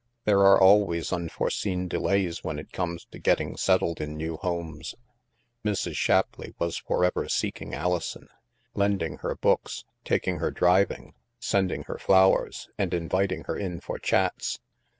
There are always unforeseen' delays when it comes to get ting settled in new homes. Mrs. Shapleigh was forever seeking Alison ; lend ing her books, taking her driving, sending her flowers, and inviting her in for chats.